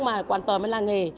mà hoàn toàn làng nghề